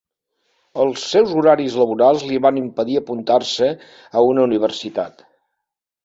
Els seus horaris laborals li van impedir apuntar-se a una universitat.